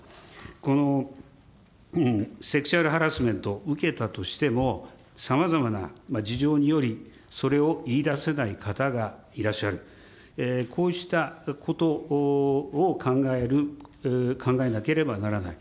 このセクシャルハラスメントを受けたとしても、さまざまな事情により、それを言い出せない方がいらっしゃる、こうしたことを考える、考えなければならない。